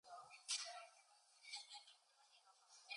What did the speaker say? The island is also home to many of the indigenous Jarawa people.